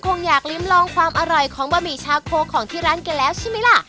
คงอยากลิ้มลองความอร่อยของบะหมี่ชาโคของที่ร้านกันแล้วใช่ไหมล่ะ